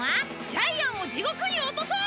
ジャイアンを地獄に落とそう